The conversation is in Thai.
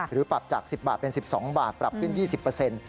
หรือปรับจาก๑๐บาทเป็น๑๒บาทปรับขึ้น๒๐